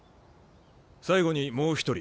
最後にもう一人。